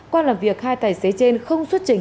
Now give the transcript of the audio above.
qua làm việc hai tài xế trên không xuất trình